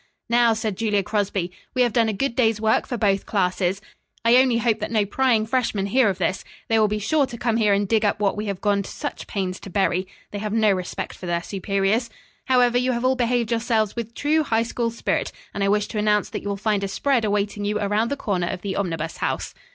"Now," said Julia Crosby, "we have done a good day's work for both classes. I only hope that no prying freshmen hear of this. They will be sure to come here and dig up what we have gone to such pains to bury. They have no respect for their superiors. However, you have all behaved yourselves with true High School spirit, and I wish to announce that you will find a spread awaiting you around the corner of the Omnibus House."